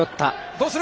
どうする？